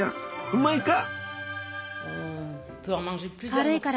うまいか？